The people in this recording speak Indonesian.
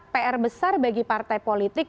pr besar bagi partai politik